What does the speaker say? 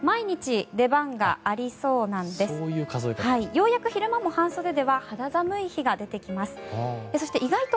ようやく昼間でも半袖では寒い日が出てきます。